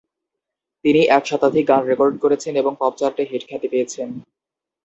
তিনি এক শতাধিক গান রেকর্ড করেছেন এবং পপ চার্টে হিট খ্যাতি পেয়েছেন।